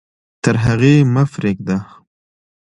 تر هغې مه پرېږده.